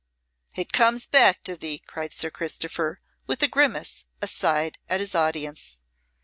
"It comes back to thee," cried Sir Christopher, with a grimace aside at his audience.